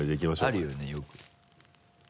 あるよねよく。